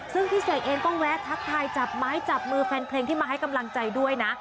ซึ่งพี่เสกเองก็แวะทักทายจับไม้จับมือแฟนเพลงที่มาให้กำลังใจด้วยนะ